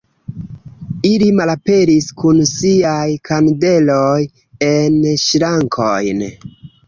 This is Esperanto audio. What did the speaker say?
Ili malaperis kun siaj kandeloj en ŝrankojn.